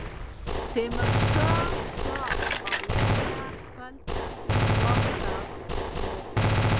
تیمورشاه شاه عالم ته خپل سفیر واستاوه.